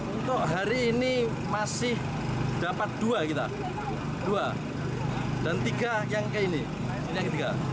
untuk hari ini masih dapat dua kita dua dan tiga yang ke ini ini yang ketiga